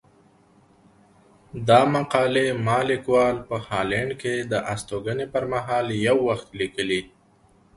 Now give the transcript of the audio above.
دا مقالې ما ليکوال په هالنډ کې د استوګنې پر مهال يو وخت ليکلي.